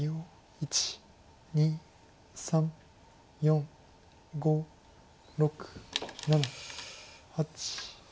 １２３４５６７８。